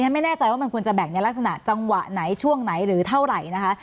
ไม่แน่ใจว่ามันควรจะแบ่งในลักษณะจังหวะไหนช่วงไหนหรือเท่าไหร่นะคะ